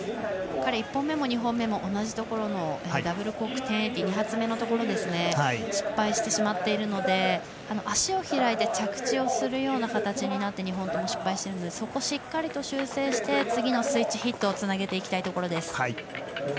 彼は１本目も２本目も同じところダブルコーク１０８０２発目のところで失敗してしまっているので足を開いて着地をするような形になって２本失敗しているのでそこを修正してスイッチヒットにつなげていきたいところです。